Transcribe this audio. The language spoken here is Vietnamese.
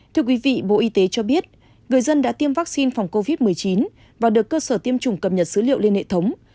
thưa quý vị bộ y tế cho biết người dân đã tiêm vaccine phòng covid một mươi chín và được cơ sở tiêm chủng cập nhật dữ liệu lên hệ thống